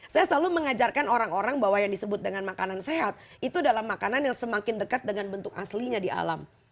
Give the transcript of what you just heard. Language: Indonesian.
saya selalu mengajarkan orang orang bahwa yang disebut dengan makanan sehat itu adalah makanan yang semakin dekat dengan bentuk aslinya di alam